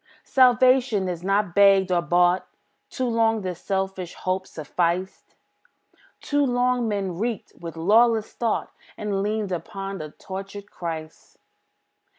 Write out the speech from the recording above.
Salvation is not begged or bought; Too long this selfish hope sufficed; Too long man reeked with lawless thought, And leaned upon a tortured Christ.